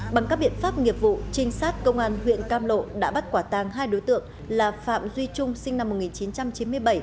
bằng các biện pháp nghiệp vụ trinh sát công an huyện cam lộ đã bắt quả tàng hai đối tượng là phạm duy trung sinh năm một nghìn chín trăm chín mươi bảy